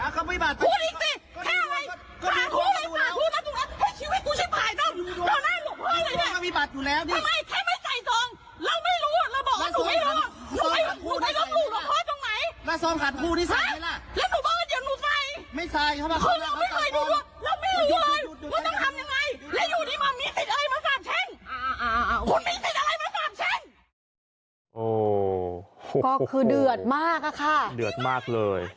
ก็คือเดือดมากอะค่ะเดือดมากเลย